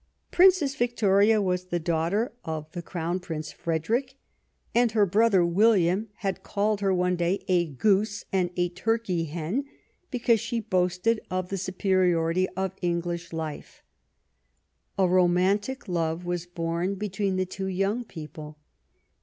Princess Victoria was the daughter of the Crown 222 Last Fights Prince Frederick; her brother William had called her one day a goose and a turkey hen because she boasted of the superiority of English life. A romantic love was born between the two young people.